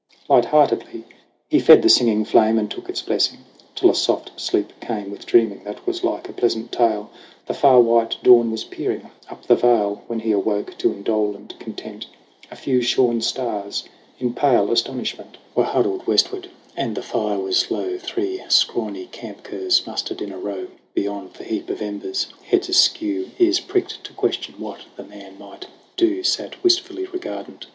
Light heartedly he fed the singing flame And took its blessing : till a soft sleep came With dreaming that was like a pleasant tale. The far white dawn was peering up the vale When he awoke to indolent content. A few shorn stars in pale astonishment THE CRAWL 85 Were huddled westward ; and the fire was low. Three scrawny camp curs, mustered in a row Beyond the heap of embers, heads askew, Ears pricked to question what the man might do, Sat wistfully regardant.